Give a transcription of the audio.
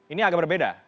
ini agak berbeda